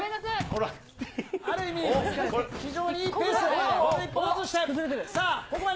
ある意味、非常にいいペースで。